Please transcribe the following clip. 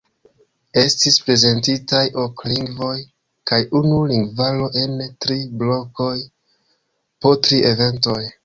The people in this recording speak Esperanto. Estis prezentitaj ok lingvoj kaj unu lingvaro en tri blokoj po tri eventoj.